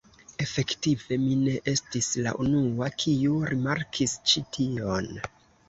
Efektive, mi ne estis la unua, kiu rimarkis ĉi tion.